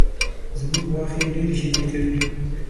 زمونږ غوا ښې ډېرې شیدې کوي